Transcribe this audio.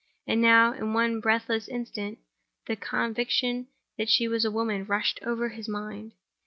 And now, in one breathless instant, the conviction that she was a woman rushed over his mind.